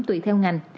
tùy theo ngành